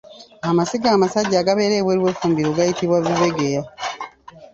Amasiga amasajja agabeera ebweru w’effumbiro gayitibwa Bibegeya.